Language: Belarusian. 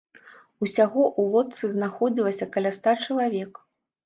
Усяго ў лодцы знаходзілася каля ста чалавек.